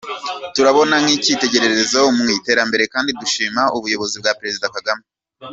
Turubona nk’icyitegererezo mu iterambere kandi dushima ubuyobozi bwa Perezida Kagame.